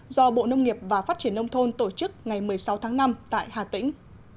do bộ nông nghiệp và phát triển nông thôn tổ chức ngày một mươi sáu tháng năm tại hà tĩnh